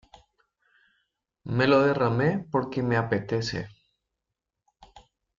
Me lo derramé porque me apetece.